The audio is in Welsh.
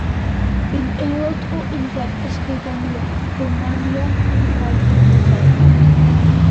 Bu'n aelod o Undeb Ysgrifenwyr Rwmania am rai blynyddoedd.